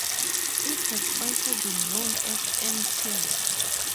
It has also been known as Mt.